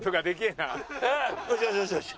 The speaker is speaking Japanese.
よしよしよしよし。